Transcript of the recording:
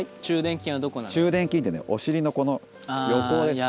中殿筋ってねお尻のこの横です。